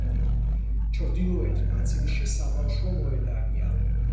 ჩრდილოეთ ნაწილში საბავშვო მოედანია.